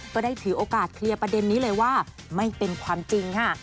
ก็ได้ถือโอกาสเคลียร์ประเด็นนี้เลยว่าไม่เป็นความจริงค่ะ